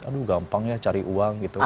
aduh gampang ya cari uang gitu